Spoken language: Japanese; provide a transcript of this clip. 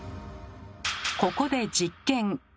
ここで実験。